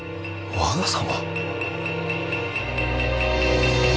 わが様？